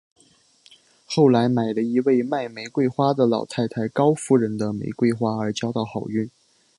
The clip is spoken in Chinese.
后来买了一位卖玫瑰花的老太太高夫人的玫瑰花而交到好运。